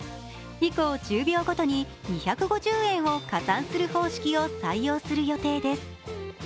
以降１０秒ごとに２５０円を加算する方式を採用する予定です。